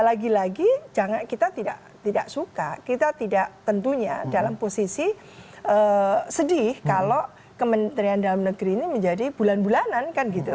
lagi lagi kita tidak suka kita tidak tentunya dalam posisi sedih kalau kementerian dalam negeri ini menjadi bulan bulanan kan gitu